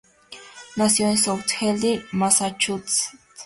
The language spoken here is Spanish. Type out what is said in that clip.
Nació en South Hadley, Massachusetts.